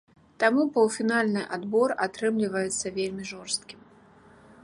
Таму паўфінальны адбор атрымліваецца вельмі жорсткім.